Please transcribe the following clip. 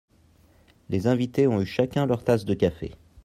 Les invités ont eu chacun leur tasse de café.